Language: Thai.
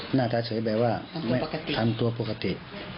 หน้าตาเฉยแบบว่าทำตัวปกติ